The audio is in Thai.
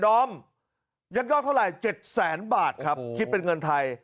ดอมยักษ์ยอกเท่าไรเจ็ดแสนบาทครับโอ้โหคิดเป็นเงินไทย